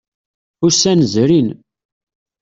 Ussan zerrin.